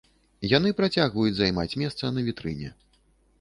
Яны працягваюць займаць месца на вітрыне.